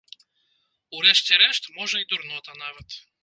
У рэшце рэшт, можа і дурнота нават!